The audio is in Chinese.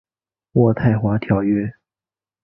渥太华条约。